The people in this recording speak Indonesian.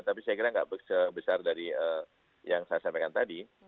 tapi saya kira nggak sebesar dari yang saya sampaikan tadi